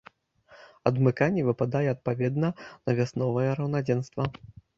Адмыканне выпадае адпаведна на вясновае раўнадзенства.